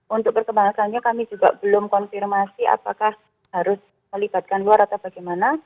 untuk perkembangannya kami juga belum konfirmasi apakah harus melibatkan luar atau bagaimana